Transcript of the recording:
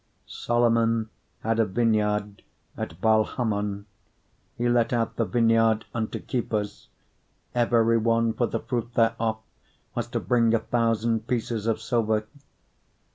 8:11 Solomon had a vineyard at Baalhamon; he let out the vineyard unto keepers; every one for the fruit thereof was to bring a thousand pieces of silver.